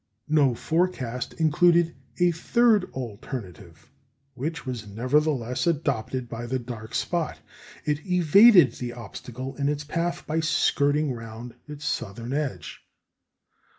No forecast included a third alternative, which was nevertheless adopted by the dark spot. It evaded the obstacle in its path by skirting round its southern edge.